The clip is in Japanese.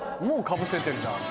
もうかぶせてんだ。